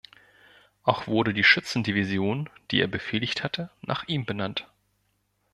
Auch wurde die Schützendivision, die er befehligt hatte, nach ihm benannt.